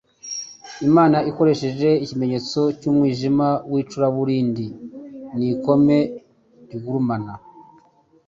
Imana ikoresheje ikimenyetso cy'umwijima w'icuraburindi n'ikome rigurumana,